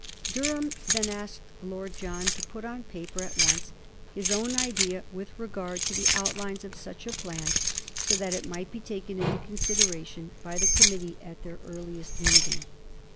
Durham then asked Lord John to put on paper at once his own idea with regard to the outlines of such a plan, so that it might be taken into consideration by the committee at their earliest meeting.